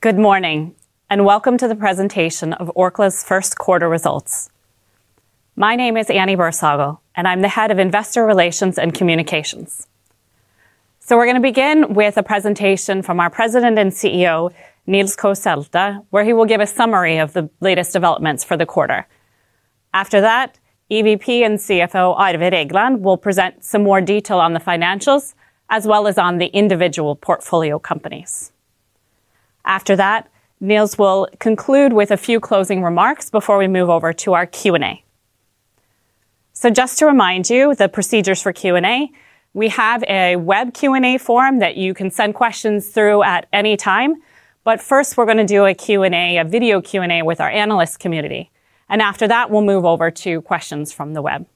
Good morning. Welcome to the presentation of Orkla's first quarter results. My name is Annie Bersagel, and I'm the Head of Investor Relations and Communications. We're gonna begin with a presentation from our President and CEO, Nils K. Selte, where he will give a summary of the latest developments for the quarter. After that, EVP and CFO, Arve Regland, will present some more detail on the financials as well as on the individual portfolio companies. After that, Nils will conclude with a few closing remarks before we move over to our Q&A. Just to remind you, the procedures for Q&A, we have a web Q&A forum that you can send questions through at any time. First we're gonna do a Q&A, a video Q&A, with our analyst community. After that we'll move over to questions from the web.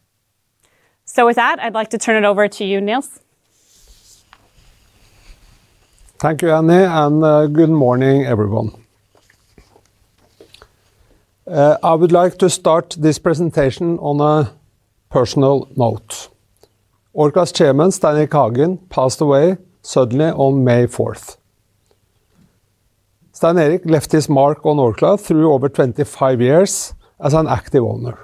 With that, I'd like to turn it over to you, Nils. Thank you, Annie, good morning everyone. I would like to start this presentation on a personal note. Orkla's Chairman, Stein Erik Hagen, passed away suddenly on May 4th. Stein Erik left his mark on Orkla through over 25 years as an active owner.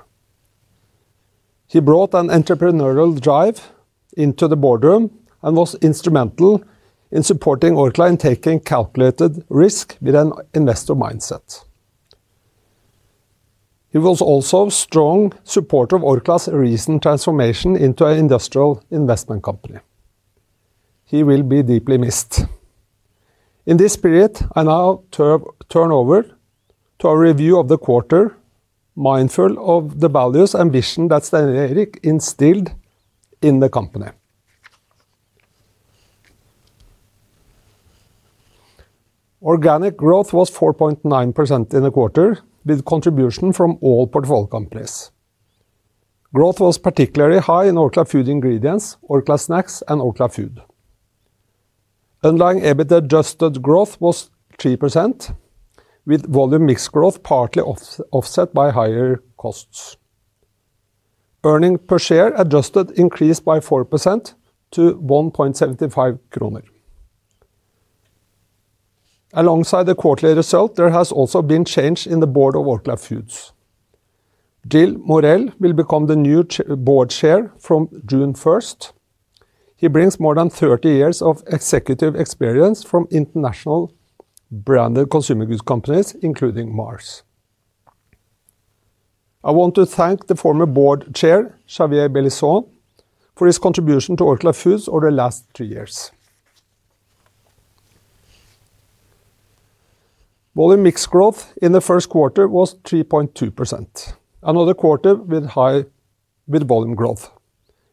He brought an entrepreneurial drive into the boardroom and was instrumental in supporting Orkla in taking calculated risk with an investor mindset. He was also strong supporter of Orkla's recent transformation into a industrial investment company. He will be deeply missed. In this spirit, I now turn over to a review of the quarter, mindful of the values and vision that Stein Erik instilled in the company. Organic growth was 4.9% in the quarter, with contribution from all portfolio companies. Growth was particularly high in Orkla Food Ingredients, Orkla Snacks, and Orkla Foods. Underlying EBIT adjusted growth was 3%, with volume mix growth partly offset by higher costs. Earnings per share adjusted increased by 4% to 1.75 kroner. Alongside the quarterly result, there has also been change in the board of Orkla Foods. Gilles Morel will become the new board chair from June 1st. He brings more than 30 years of executive experience from international branded consumer goods companies, including Mars. I want to thank the former Board Chair, Xavier Belison, for his contribution to Orkla Foods over the last three years. Volume mix growth in the first quarter was 3.2%, another quarter with high volume growth.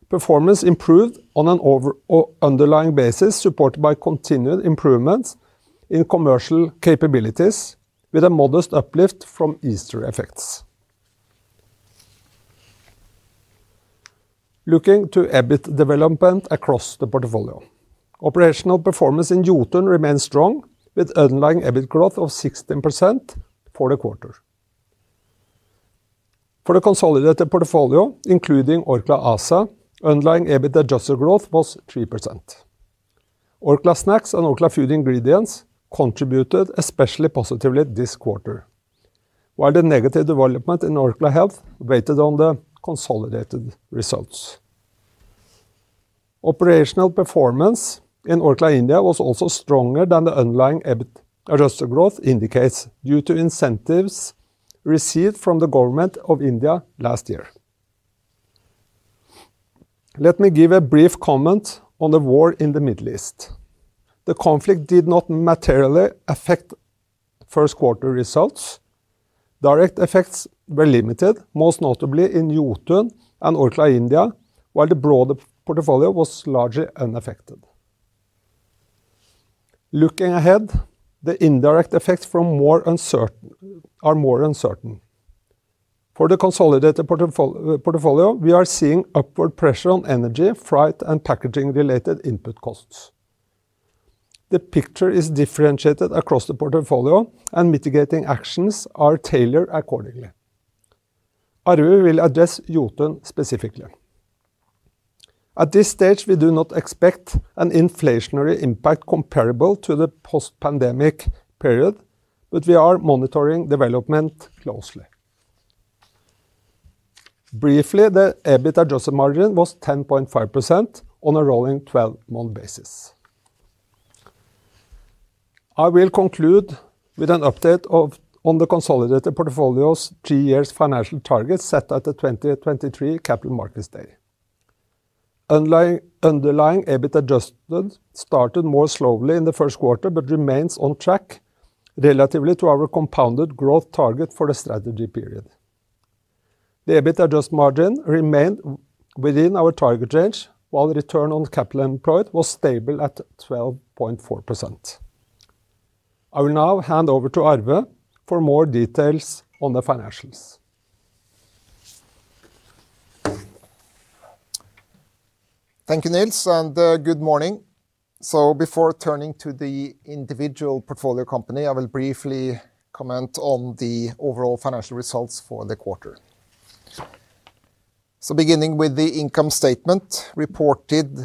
Performance improved on an underlying basis, supported by continued improvements in commercial capabilities, with a modest uplift from Easter effects. Looking to EBIT development across the portfolio, operational performance in Jotun remains strong, with underlying EBIT growth of 16% for the quarter. For the consolidated portfolio, including Orkla ASA, underlying EBIT adjusted growth was 3%. Orkla Snacks and Orkla Food Ingredients contributed especially positively this quarter, while the negative development in Orkla Health weighted on the consolidated results. Operational performance in Orkla India was also stronger than the underlying EBIT adjusted growth indicates due to incentives received from the government of India last year. Let me give a brief comment on the war in the Middle East. The conflict did not materially affect first quarter results. Direct effects were limited, most notably in Jotun and Orkla India, while the broader portfolio was largely unaffected. Looking ahead, the indirect effects are more uncertain. For the consolidated portfolio, we are seeing upward pressure on energy, freight, and packaging related input costs. The picture is differentiated across the portfolio and mitigating actions are tailored accordingly. Arve will address Jotun specifically. At this stage, we do not expect an inflationary impact comparable to the post-pandemic period, but we are monitoring development closely. Briefly, the EBIT adjusted margin was 10.5% on a rolling 12-month basis. I will conclude with an update on the consolidated portfolio's three years financial targets set at the 2023 Capital Markets Day. Underlying EBIT adjusted started more slowly in the first quarter, but remains on track relatively to our compounded growth target for the strategy period. The EBIT adjusted margin remained within our target range, while return on capital employed was stable at 12.4%. I will now hand over to Arve for more details on the financials. Thank you, Nils, and good morning. Before turning to the individual portfolio company, I will briefly comment on the overall financial results for the quarter. Beginning with the income statement, reported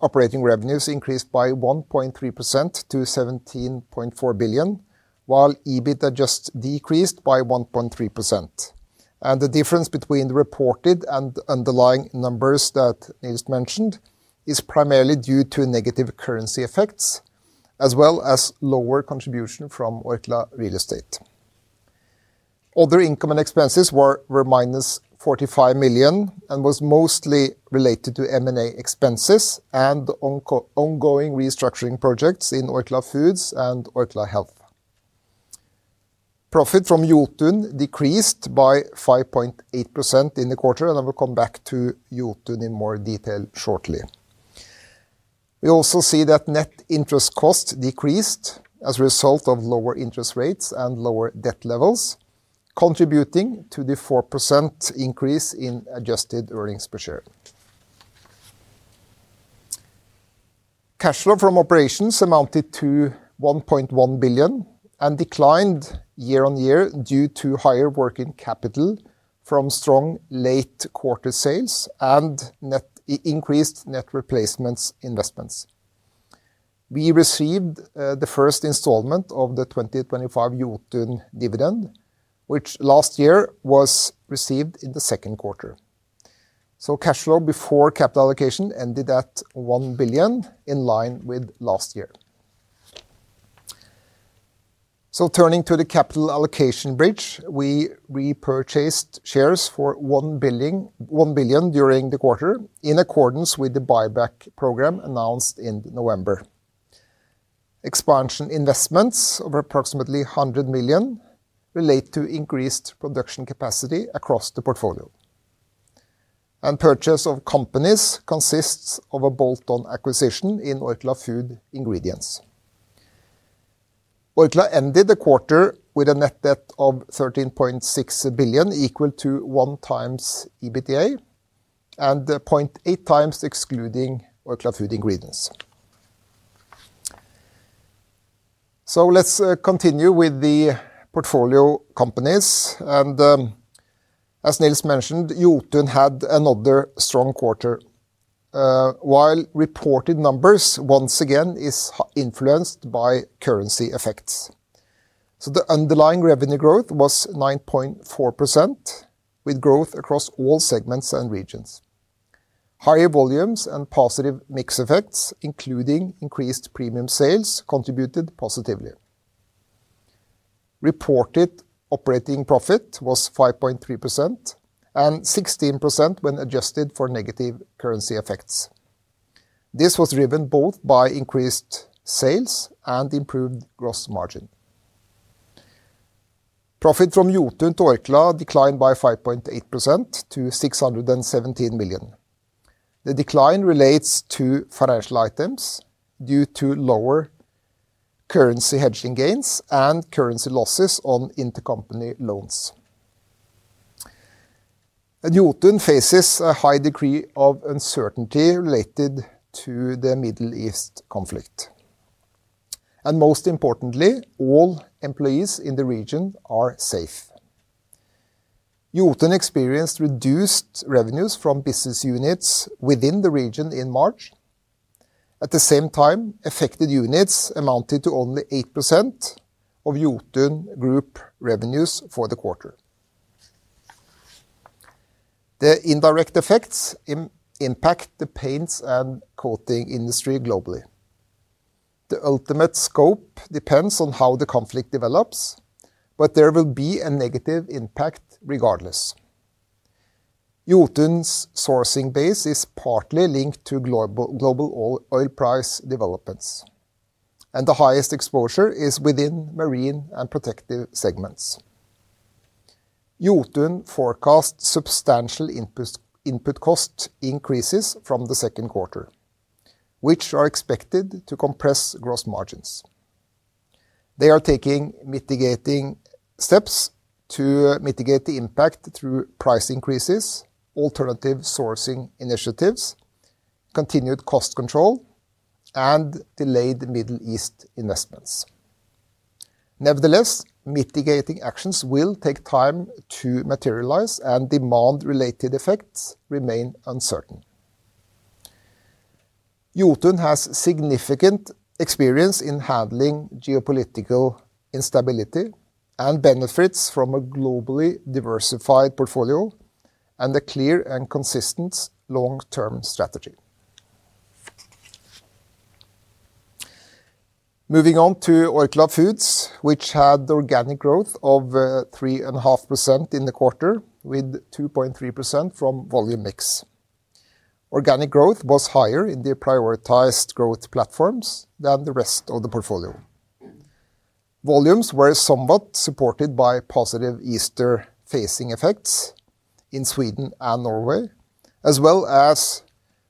operating revenues increased by 1.3% to 17.4 billion, while EBITDA adjusted decreased by 1.3%. The difference between the reported and underlying numbers that is mentioned is primarily due to negative currency effects, as well as lower contribution from Orkla Real Estate. Other income and expenses were minus 45 million and was mostly related to M&A expenses and ongoing restructuring projects in Orkla Foods and Orkla Health. Profit from Jotun decreased by 5.8% in the quarter, and I will come back to Jotun in more detail shortly. We also see that net interest costs decreased as a result of lower interest rates and lower debt levels, contributing to the 4% increase in adjusted earnings per share. Cash flow from operations amounted to 1.1 billion and declined year-over-year due to higher working capital from strong late-quarter sales and increased net replacements investments. We received the first installment of the 2025 Jotun dividend, which last year was received in the second quarter. Cash flow before capital allocation ended at 1 billion in line with last year. Turning to the capital allocation bridge, we repurchased shares for 1 billion during the quarter in accordance with the buyback program announced in November. Expansion investments of approximately 100 million relate to increased production capacity across the portfolio. Purchase of companies consists of a bolt-on acquisition in Orkla Food Ingredients. Orkla ended the quarter with a net debt of 13.6 billion equal to 1x EBITDA and 0.8x excluding Orkla Food Ingredients. Jotun had another strong quarter while reported numbers once again is influenced by currency effects. The underlying revenue growth was 9.4%, with growth across all segments and regions. Higher volumes and positive mix effects, including increased premium sales, contributed positively. Reported operating profit was 5.3% and 16% when adjusted for negative currency effects. This was driven both by increased sales and improved gross margin. Profit from Jotun to Orkla declined by 5.8% to 617 million. The decline relates to financial items due to lower currency hedging gains and currency losses on intercompany loans. Jotun faces a high degree of uncertainty related to the Middle East conflict. Most importantly, all employees in the region are safe. Jotun experienced reduced revenues from business units within the region in March. At the same time, affected units amounted to only 8% of Jotun group revenues for the quarter. The indirect effects impact the paints and coating industry globally. The ultimate scope depends on how the conflict develops, but there will be a negative impact regardless. Jotun's sourcing base is partly linked to global oil price developments, and the highest exposure is within marine and protective segments. Jotun forecast substantial input cost increases from the second quarter, which are expected to compress gross margins. They are taking mitigating steps to mitigate the impact through price increases, alternative sourcing initiatives, continued cost control, and delayed Middle East investments. Nevertheless, mitigating actions will take time to materialize and demand-related effects remain uncertain. Jotun has significant experience in handling geopolitical instability and benefits from a globally diversified portfolio and a clear and consistent long-term strategy. Moving on to Orkla Foods, which had organic growth of 3.5% in the quarter, with 2.3% from volume mix. Organic growth was higher in the prioritized growth platforms than the rest of the portfolio. Volumes were somewhat supported by positive Easter-phasing effects in Sweden and Norway, as well as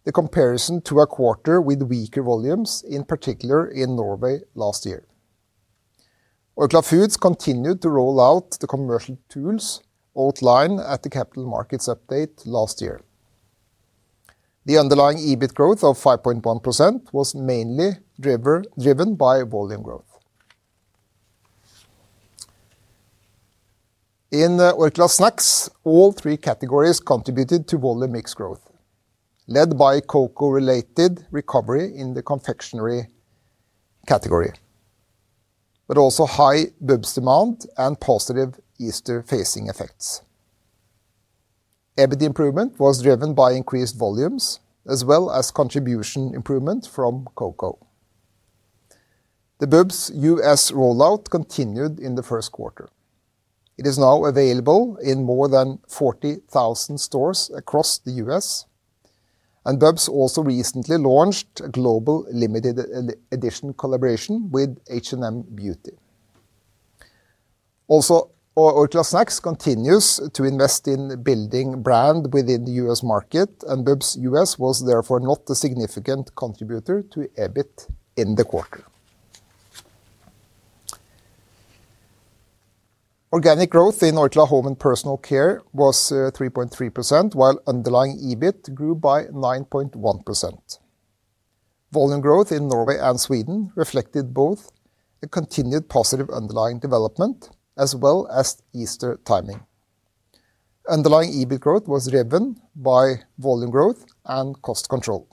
the comparison to a quarter with weaker volumes, in particular in Norway last year. Orkla Foods continued to roll out the commercial tools outlined at the capital markets update last year. The underlying EBIT growth of 5.1% was mainly driven by volume growth. In Orkla Snacks, all three categories contributed to volume mix growth, led by cocoa-related recovery in the confectionery category, but also high BUBS demand and positive Easter phasing effects. EBIT improvement was driven by increased volumes as well as contribution improvement from cocoa. The BUBS U.S. rollout continued in the first quarter. It is now available in more than 40,000 stores across the U.S., and BUBS also recently launched a global limited-edition collaboration with H&M Beauty. Orkla Snacks continues to invest in building brand within the U.S. market, and BUBS U.S. was therefore not a significant contributor to EBIT in the quarter. Organic growth in Orkla Home & Personal Care was 3.3%, while underlying EBIT grew by 9.1%. Volume growth in Norway and Sweden reflected both a continued positive underlying development as well as Easter timing. Underlying EBIT growth was driven by volume growth and cost control,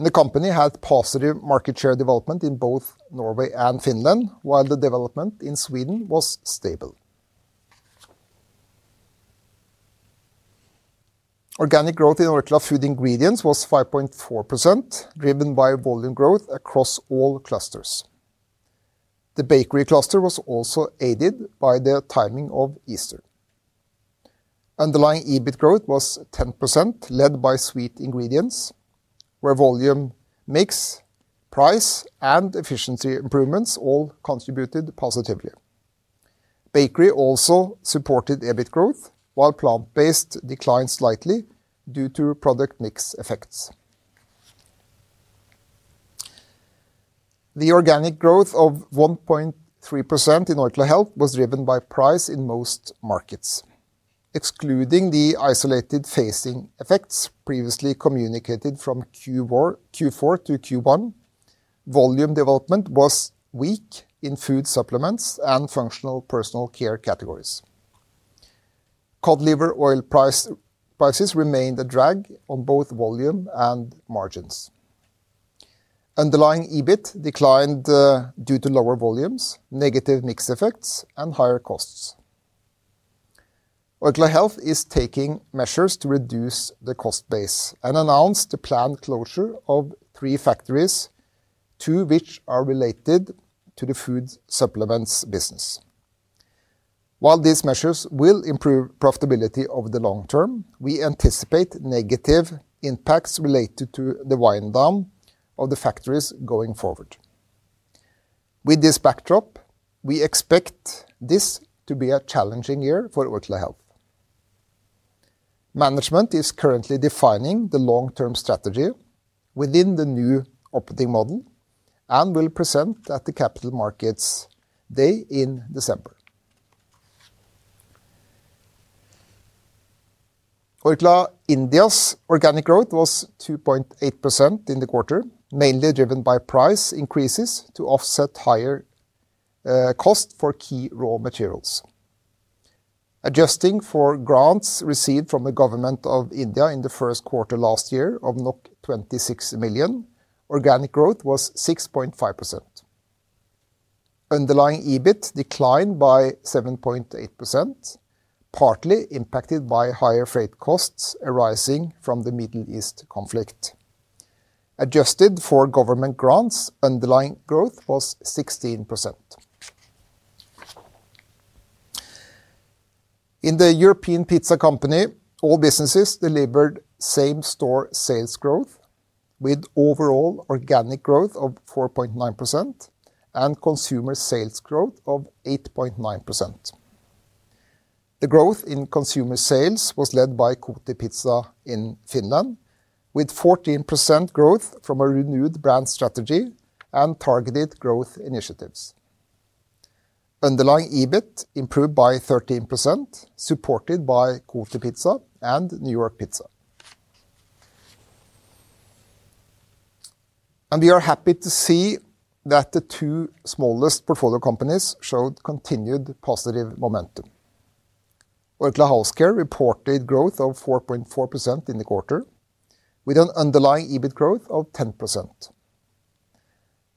and the company had positive market share development in both Norway and Finland, while the development in Sweden was stable. Organic growth in Orkla Food Ingredients was 5.4%, driven by volume growth across all clusters. The bakery cluster was also aided by the timing of Easter. Underlying EBIT growth was 10%, led by sweet ingredients where volume, mix, price, and efficiency improvements all contributed positively. Bakery also supported EBIT growth, while plant-based declined slightly due to product mix effects. The organic growth of 1.3% in Orkla Health was driven by price in most markets. Excluding the isolated phasing effects previously communicated from Q4 to Q1, volume development was weak in food supplements and functional personal care categories. Cod liver oil prices remained a drag on both volume and margins. Underlying EBIT declined due to lower volumes, negative mix effects, and higher costs. Orkla Health is taking measures to reduce the cost base and announced the planned closure of three factories, two which are related to the food supplements business. While these measures will improve profitability over the long term, we anticipate negative impacts related to the wind down of the factories going forward. With this backdrop, we expect this to be a challenging year for Orkla Health. Management is currently defining the long-term strategy within the new operating model and will present at the Capital Markets Day in December. Orkla India's organic growth was 2.8% in the quarter, mainly driven by price increases to offset higher cost for key raw materials. Adjusting for grants received from the Government of India in the first quarter last year of 26 million, organic growth was 6.5%. Underlying EBIT declined by 7.8%, partly impacted by higher freight costs arising from the Middle East conflict. Adjusted for government grants, underlying growth was 16%. In The European Pizza Company, all businesses delivered same store sales growth with overall organic growth of 4.9% and consumer sales growth of 8.9%. The growth in consumer sales was led by Kotipizza in Finland, with 14% growth from a renewed brand strategy and targeted growth initiatives. Underlying EBIT improved by 13%, supported by Kotipizza and New York Pizza. We are happy to see that the two smallest portfolio companies showed continued positive momentum. Orkla Health reported growth of 4.4% in the quarter, with an underlying EBIT growth of 10%.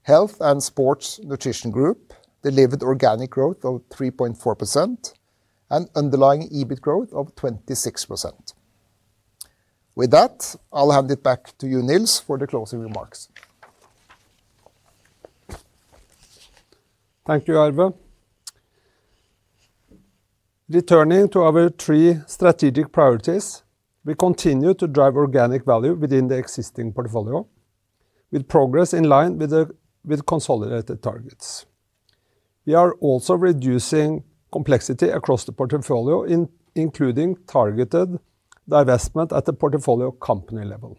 Health and Sports Nutrition Group delivered organic growth of 3.4% and underlying EBIT growth of 26%. With that, I'll hand it back to you, Nils, for the closing remarks. Thank you, Arve. Returning to our three strategic priorities, we continue to drive organic value within the existing portfolio, with progress in line with consolidated targets. We are also reducing complexity across the portfolio including targeted divestment at the portfolio company level.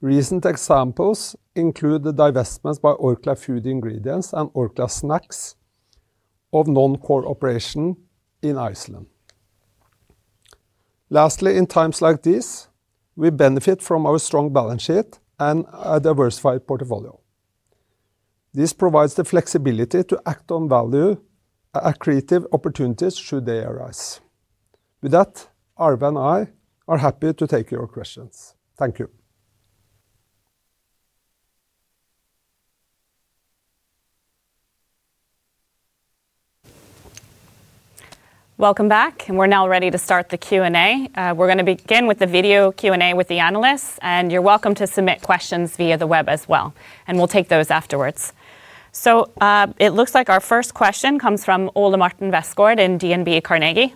Recent examples include the divestments by Orkla Food Ingredients and Orkla Snacks of non-core operation in Iceland. Lastly, in times like this, we benefit from our strong balance sheet and a diversified portfolio. This provides the flexibility to act on value accretive opportunities should they arise. With that, Arve and I are happy to take your questions. Thank you. Welcome back. We're now ready to start the Q&A. We're gonna begin with the video Q&A with the analysts, and you're welcome to submit questions via the web as well, and we'll take those afterwards. It looks like our first question comes from Ole Martin Westgaard in DNB Carnegie.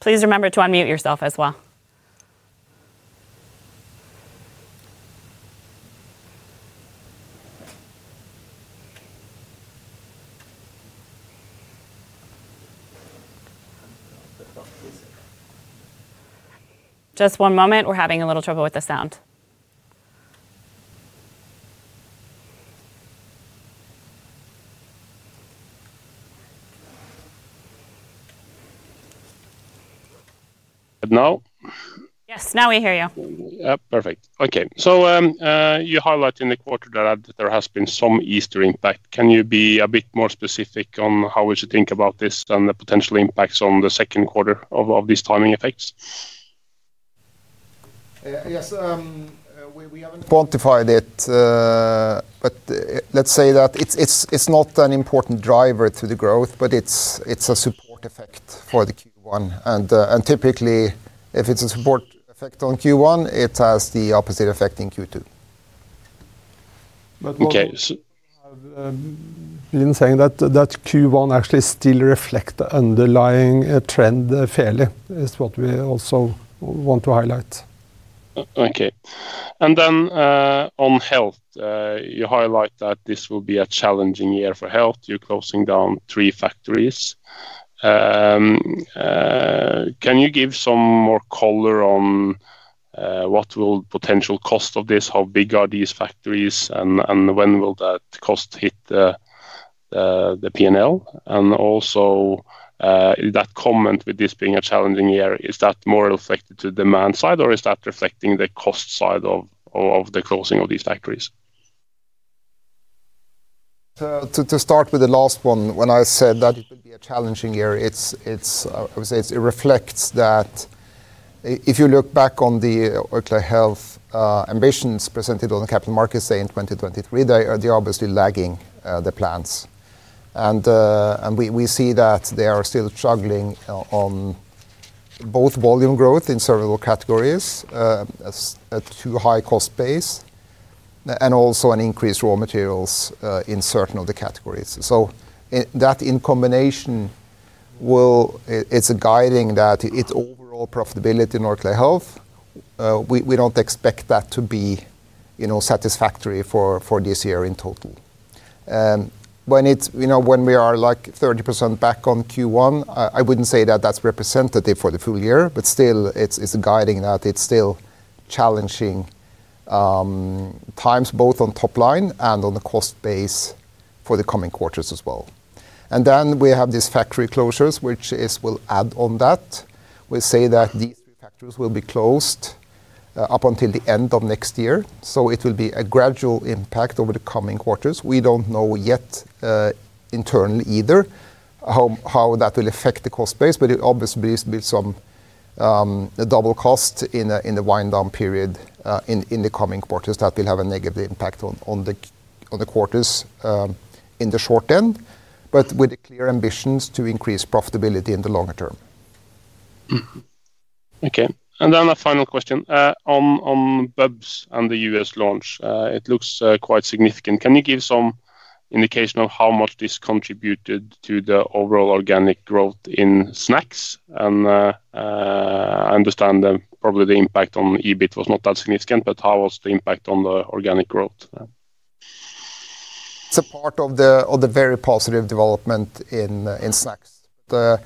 Please remember to unmute yourself as well. Just one moment. We're having a little trouble with the sound. Now? Yes, now we hear you. Yeah. Perfect. Okay. You highlight in the quarter that there has been some Easter impact. Can you be a bit more specific on how we should think about this and the potential impacts on the second quarter of these timing effects? Yes. We haven't quantified it, but let's say that it's not an important driver to the growth, but it's a support effect for the Q1. Typically, if it's a support effect on Q1, it has the opposite effect in Q2. Okay. What we also have been saying that that Q1 actually still reflects underlying trend fairly, is what we also want to highlight. Okay. On Health, you highlight that this will be a challenging year for Health. You're closing down three factories. Can you give some more color on what will potential cost of this? How big are these factories and when will that cost hit the P&L? Also, that comment with this being a challenging year, is that more affected to demand side, or is that reflecting the cost side of the closing of these factories? To start with the last one, when I said that it will be a challenging year, it's, I would say it reflects that if you look back on the Orkla Health ambitions presented on the Capital Markets Day in 2023, they are obviously lagging the plans. We see that they are still struggling on both volume growth in several categories, as at too high cost base, and also an increased raw materials in certain of the categories. That in combination will it's guiding that its overall profitability in Orkla Health, we don't expect that to be, you know, satisfactory for this year in total. When it's, you know, when we are, like, 30% back on Q1, I wouldn't say that that's representative for the full year, but still it's guiding that it's still challenging times both on top line and on the cost base for the coming quarters as well. Then we have these factory closures, which will add on that. We say that these 3 factories will be closed up until the end of next year, so it will be a gradual impact over the coming quarters. We don't know yet, internally either how that will affect the cost base, but it obviously be some double cost in the wind down period in the coming quarters that will have a negative impact on the quarters in the short term, but with clear ambitions to increase profitability in the longer term. Okay. Then a final question. On BUBS and the U.S. launch, it looks quite significant. Can you give some indication of how much this contributed to the overall organic growth in snacks? I understand that probably the impact on EBIT was not that significant, but how was the impact on the organic growth? It's a part of the very positive development in snacks. The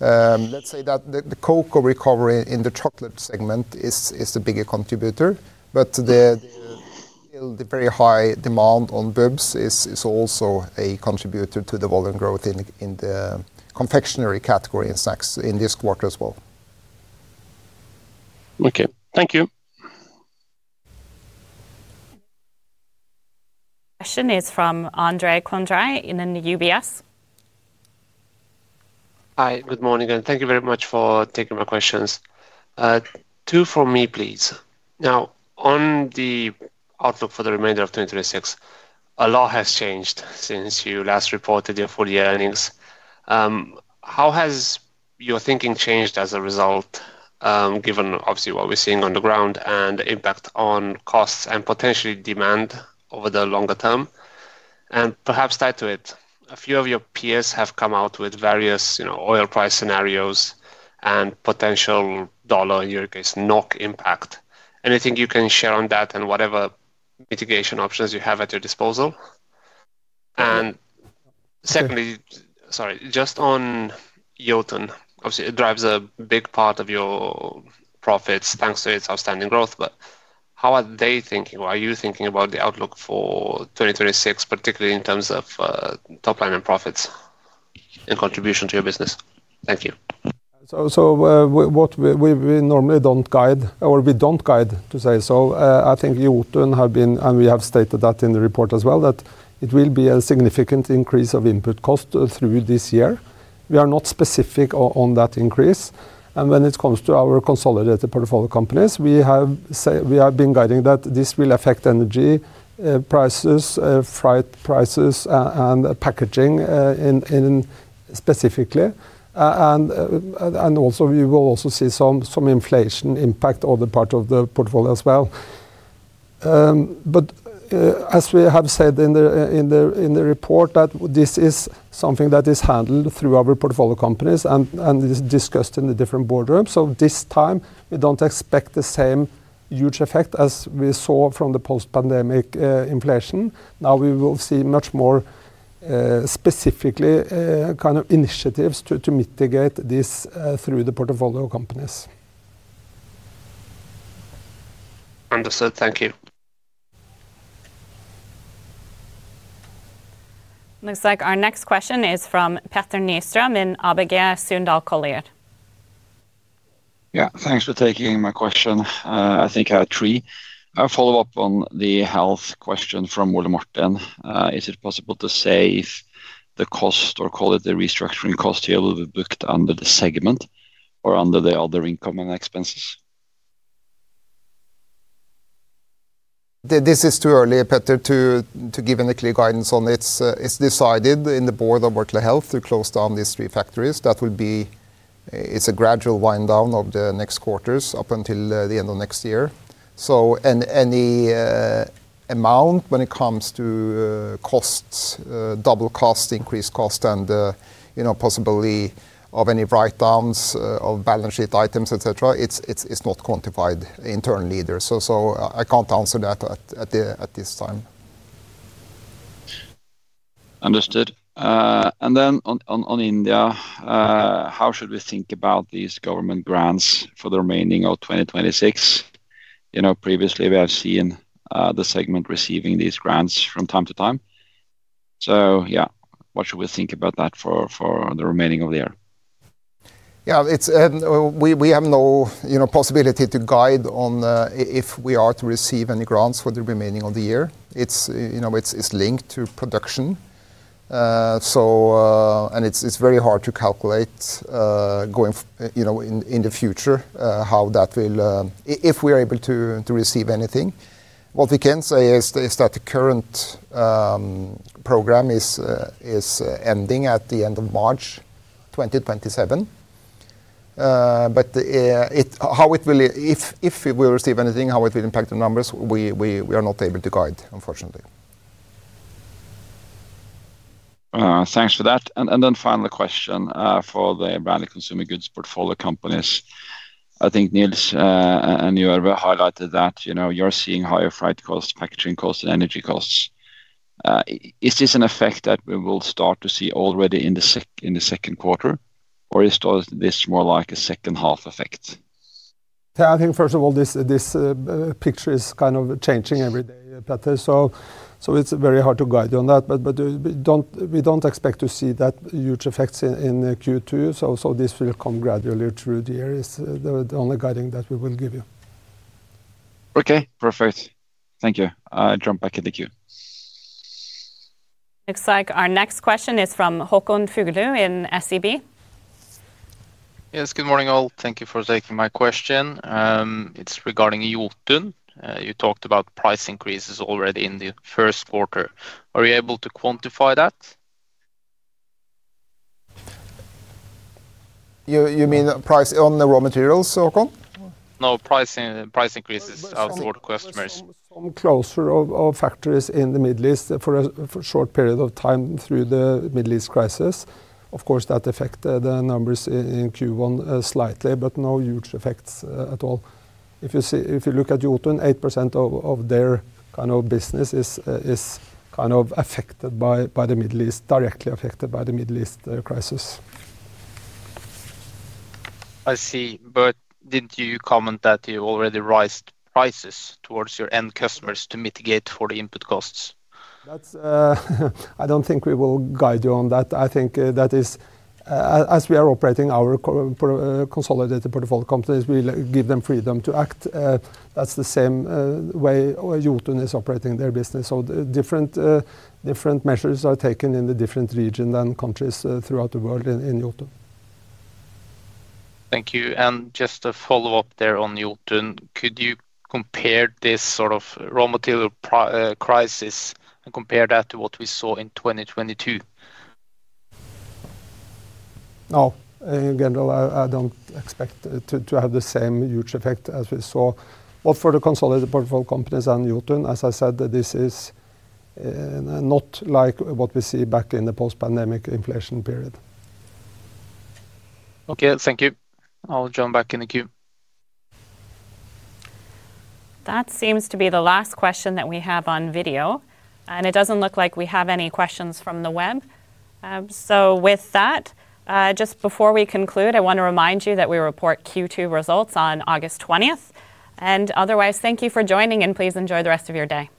let's say that the cocoa recovery in the chocolate segment is the bigger contributor, but the very high demand on BUBS is also a contributor to the volume growth in the confectionery category in snacks in this quarter as well. Okay. Thank you. Question is from Andrei Condrea in UBS. Hi. Good morning, and thank you very much for taking my questions. Two for me, please. Now, on the outlook for the remainder of 2026, a lot has changed since you last reported your full year earnings. How has your thinking changed as a result, given obviously what we're seeing on the ground and the impact on costs and potentially demand over the longer term? Perhaps tied to it, a few of your peers have come out with various, you know, oil price scenarios and potential USD, in your case, NOK impact. Anything you can share on that and whatever mitigation options you have at your disposal? Secondly Sorry, just on Jotun. Obviously, it drives a big part of your profits thanks to its outstanding growth. How are they thinking, or are you thinking about the outlook for 2026, particularly in terms of top line and profits and contribution to your business? Thank you. What we normally don't guide, or we don't guide to say so. I think Jotun have been, and we have stated that in the report as well, that it will be a significant increase of input cost through this year. We are not specific on that increase. When it comes to our consolidated portfolio companies, we have been guiding that this will affect energy prices, freight prices and packaging in specifically. Also we will also see some inflation impact other part of the portfolio as well. As we have said in the report that this is something that is handled through our portfolio companies and is discussed in the different boardrooms. This time we don't expect the same huge effect as we saw from the post-pandemic inflation. Now we will see much more specifically kind of initiatives to mitigate this through the portfolio companies. Understood. Thank you. Looks like our next question is from Petter Nystrøm in ABG Sundal Collier. Thanks for taking my question. I think I have three. A follow-up on the Health question from Ole Martin Westgaard. Is it possible to say if the cost, or call it the restructuring cost here, will be booked under the segment or under the other income and expenses? This is too early, Petter, to give any clear guidance on it. It's decided in the board of Orkla Health to close down these three factories. That will be It's a gradual wind down of the next quarters up until the end of next year. Any amount when it comes to costs, double cost, increased cost and, you know, possibly of any write downs, of balance sheet items, et cetera, it's not quantified internally either. I can't answer that at this time. Understood. Then on India. Okay How should we think about these government grants for the remaining of 2026? You know, previously we have seen the segment receiving these grants from time to time. What should we think about that for the remaining of the year? Yeah, it's, we have no, you know, possibility to guide on, if we are to receive any grants for the remaining of the year. It's, you know, it's linked to production. And it's very hard to calculate, going, you know, in the future, how that will, if we are able to receive anything. What we can say is that the current program is ending at the end of March 2027. How it will. If we will receive anything, how it will impact the numbers, we are not able to guide, unfortunately. Thanks for that. Then final question for the branded consumer goods portfolio companies. I think Nils, and you have highlighted that, you know, you're seeing higher freight costs, packaging costs and energy costs. Is this an effect that we will start to see already in the second quarter, or is this more like a second half effect? I think first of all, this picture is kind of changing every day, Petter, so it's very hard to guide you on that. We don't expect to see that huge effects in Q2. This will come gradually through the year, is the only guiding that we will give you. Okay, perfect. Thank you. I drop back in the queue. Looks like our next question is from Håkon Fuglu in SEB. Yes, good morning, all. Thank Thank you for taking my question. It's regarding Jotun. You talked about price increases already in the first quarter. Are you able to quantify that? You mean price on the raw materials, Håkon? No, pricing, price increases out towards customers. Some closures of factories in the Middle East for a short period of time through the Middle East crisis. That affected the numbers in Q1 slightly, but no huge effects at all. If you look at Jotun, 8% of their kind of business is kind of affected by the Middle East, directly affected by the Middle East crisis. I see. Didn't you comment that you already raised prices towards your end customers to mitigate for the input costs? That's, I don't think we will guide you on that. I think that is As we are operating our consolidated portfolio companies, we give them freedom to act. That's the same way Jotun is operating their business. Different different measures are taken in the different region and countries throughout the world in Jotun. Thank you. Just a follow-up there on Jotun. Could you compare this sort of raw material crisis and compare that to what we saw in 2022? No. Again, I don't expect it to have the same huge effect as we saw. For the consolidated portfolio companies and Jotun, as I said, this is not like what we see back in the post-pandemic inflation period. Okay, thank you. I'll join back in the queue. That seems to be the last question that we have on video, and it doesn't look like we have any questions from the web. With that, just before we conclude, I want to remind you that we report Q2 results on August 20th. Otherwise, thank you for joining and please enjoy the rest of your day.